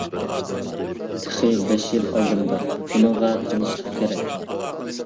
تېخى بەش يىل ئالدىمدا. ئۇنىڭغا تىنچلىق كېرەك.